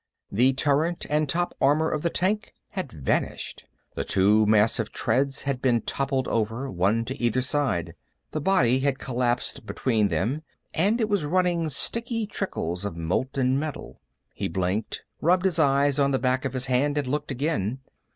The turret and top armor of the tank had vanished. The two massive treads had been toppled over, one to either side. The body had collapsed between them, and it was running sticky trickles of molten metal. He blinked, rubbed his eyes on the back of his hand, and looked again.